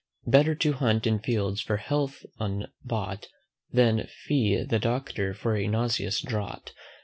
Better to hunt in fields for health unbought, Than fee the Doctor for a nauseous draught.